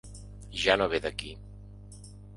Ja no ve d'aquí.